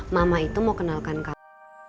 mama itu mau kenalkan kamu